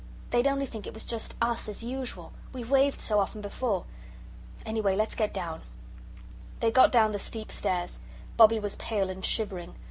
"They'd only think it was just US, as usual. We've waved so often before. Anyway, let's get down." They got down the steep stairs. Bobbie was pale and shivering.